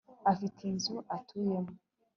afite inzu atuyemo